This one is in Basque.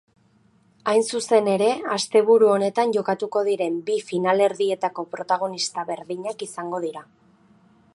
Hain zuzen ere, asteburu honetan jokatuko diren bi finalerdietako protagonista berdinak dira.